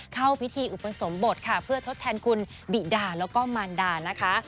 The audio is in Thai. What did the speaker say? เข้าพิธีอุปสมบทค่ะเพื่อทดแทนคุณบิดาแล้วก็มารดานะคะ